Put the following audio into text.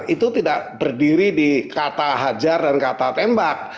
itu tidak berdiri di kata hajar dan kata tembak